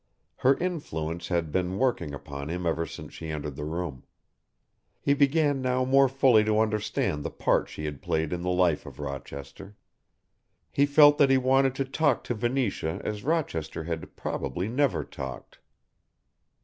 Her influence had been working upon him ever since she entered the room. He began now more fully to understand the part she had played in the life of Rochester. He felt that he wanted to talk to Venetia as Rochester had, probably, never talked.